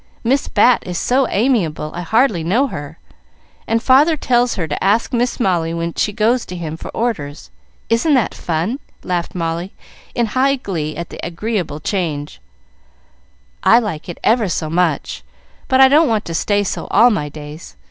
Miss Bat is so amiable, I hardly know her, and father tells her to ask Miss Molly when she goes to him for orders. Isn't that fun?" laughed Molly, in high glee, at the agreeable change. "I like it ever so much, but I don't want to stay so all my days.